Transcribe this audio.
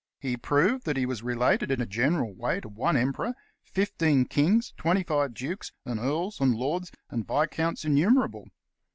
He proved that he was related in a general way to one emperor, fifteen kings, twenty live dukes, and earls and lords and viscounts innumerable.